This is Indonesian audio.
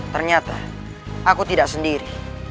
ternyata aku tidak sendiri